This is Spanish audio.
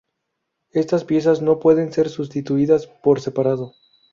Estas piezas no pueden ser sustituidas por separado.